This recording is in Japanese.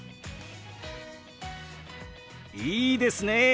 いいですね！